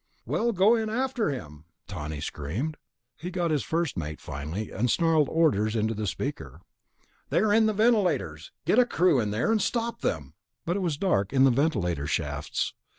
"Well, go in after him!" Tawney screamed. He got his first mate finally, and snarled orders into the speaker. "They're in the ventilators. Get a crew in there and stop them." But it was dark in the ventilator shafts.